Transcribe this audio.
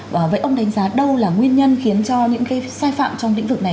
và vậy ông đánh giá đâu là nguyên nhân khiến cho những cái sai phạm trong lĩnh vực này